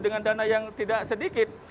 dengan dana yang tidak sedikit